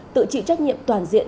tự trị trách nhiệm toàn diện